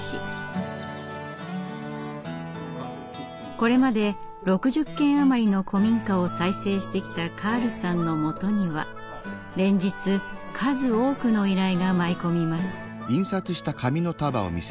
これまで６０軒余りの古民家を再生してきたカールさんのもとには連日数多くの依頼が舞い込みます。